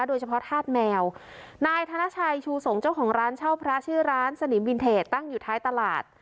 ธาตุแมวนายธนชัยชูสงเจ้าของร้านเช่าพระชื่อร้านสนิมวินเทจตั้งอยู่ท้ายตลาด